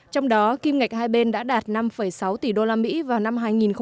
trong đó kim ngạch hai bên đã đạt năm sáu tỷ usd vào năm hai nghìn một mươi bảy